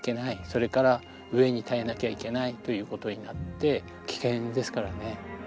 それから飢えに耐えなきゃいけないということになって危険ですからね。